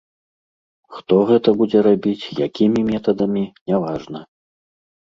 Хто гэта будзе рабіць, якімі метадамі, няважна.